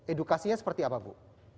edukasinya seperti apa bu